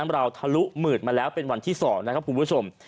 เราทะลุหมื่นมาแล้วเป็นวันที่๒นะครับคุณผู้ชม